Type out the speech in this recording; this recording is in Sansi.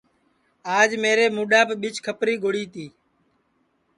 آج میرے مُڈؔاپ ٻیچھکپری گُڑی تی